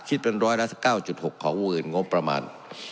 คิดเป็น๑๐๙๖ของวงเงินงบประมาณ